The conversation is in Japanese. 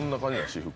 私服。